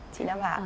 chị nam hà